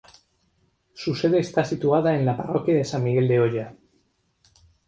Su sede esta situada en la parroquia de San Miguel de Oya.